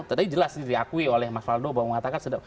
ternyata jelas diakui oleh mas faldoba